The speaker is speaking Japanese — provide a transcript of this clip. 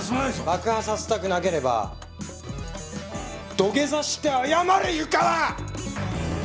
爆破させたくなければ土下座して謝れ湯川！